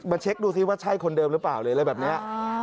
เช็คดูสิว่าใช่คนเดิมหรือเปล่าหรืออะไรแบบนี้